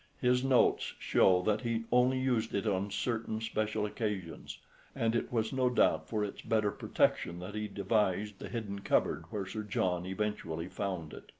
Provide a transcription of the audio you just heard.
His notes show that he only used it on certain special occasions, and it was no doubt for its better protection that he devised the hidden cupboard where Sir John eventually found it.